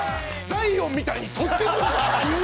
ザイオンみたいに取ってこいや！